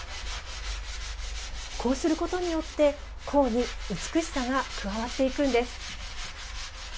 こうすることによって甲に美しさが加わっていくんです。